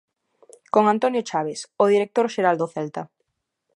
Con Antonio Chaves, o director xeral do Celta.